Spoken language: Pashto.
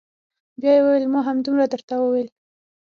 بيا يې وويل ما همدومره درته وويل.